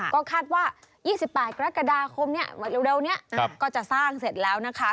ก็คาดว่า๒๘กรกฎาคมเร็วนี้ก็จะสร้างเสร็จแล้วนะคะ